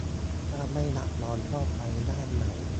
ถ้าไม่รับรอง ก็ไปร่างใหม่